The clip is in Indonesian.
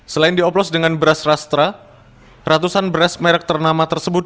selain dioplos dengan beras rastra ratusan beras merek ternama tersebut